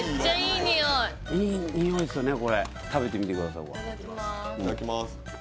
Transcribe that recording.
いただきます